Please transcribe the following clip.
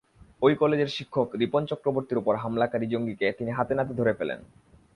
ওই কলেজের শিক্ষক রিপন চক্রবর্তীর ওপর হামলাকারী জঙ্গিকে তিনি হাতেনাতে ধরে ফেলেন।